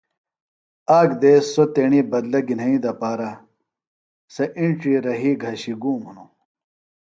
آک دیس سوۡ تیݨی بدلہ گِھنئنی دپارا سےۡ اِنڇی رھئی گھشیۡ گُوم ہِنوۡ